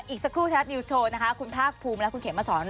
อีกสักครู่ไทยรัฐนิวส์โชว์นะคะคุณภาคภูมิและคุณเขมมาสอน